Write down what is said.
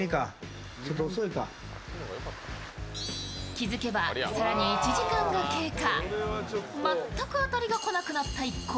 気付けば既に１時間が経過。